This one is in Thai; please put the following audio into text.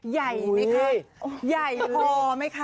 ใหญ่ไหมคะใหญ่พอไหมคะ